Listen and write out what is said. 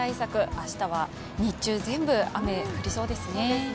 明日は、日中、全部雨降りそうですね。